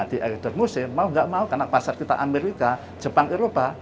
di china di eritre musim mau gak mau karena pasar kita amerika jepang eropa